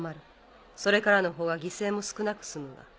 それからのほうが犠牲も少なく済むが。